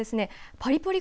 パリポリ